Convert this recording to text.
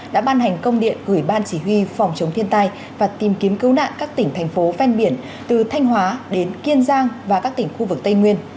đã ban hành công điện gửi ban chỉ huy phòng chống thiên tai và tìm kiếm cứu nạn các tỉnh thành phố ven biển từ thanh hóa đến kiên giang và các tỉnh khu vực tây nguyên